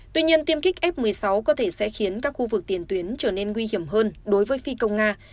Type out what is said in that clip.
tuy nhiên tiêm kích f một mươi sáu có thể sẽ khiến các khu vực tiền tuyến trở nên nguy hiểm hơn đối với phi công nga